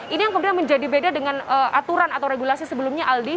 ini yang kemudian menjadi beda dengan aturan atau regulasi sebelumnya aldi